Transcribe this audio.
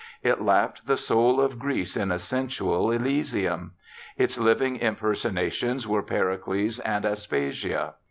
It lapped the soul of Greece in a sensual elysium. Its hving impersonations were Pericles and Aspasia.